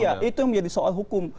ya itu yang menjadi soal hukum